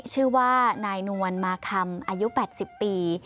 ชื่อว่านายนวลมาคำอายุ๘๐ปี